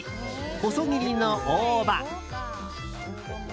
細切りの大葉。